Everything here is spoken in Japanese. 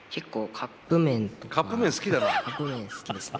カップ麺好きですね。